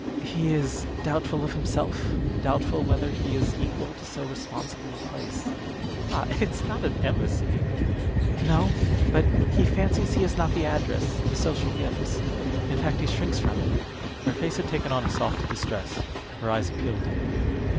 "He is doubtful of himself doubtful whether he is equal to so responsible a place." "Bah! it's not an embassy." "No; but he fancies he has not the address, the social gifts in fact, he shrinks from it." Her face had taken on a soft distress; her eyes appealed to him.